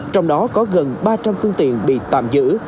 trong đó có gần ba trăm linh phương tiện bị tạm giữ